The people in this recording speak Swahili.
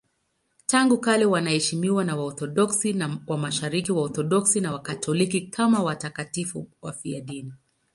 Tangu kale wanaheshimiwa na Waorthodoksi wa Mashariki, Waorthodoksi na Wakatoliki kama watakatifu wafiadini.